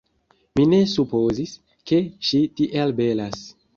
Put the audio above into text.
Mi ne supozis, ke ŝi tiel belas.